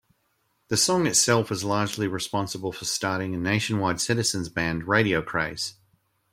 The song itself was largely responsible for starting a nationwide citizens' band radio craze.